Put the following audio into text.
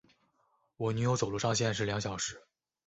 我女友走路上限是两小时